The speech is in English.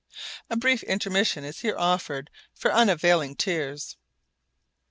(A brief intermission is here offered for unavailing tears.)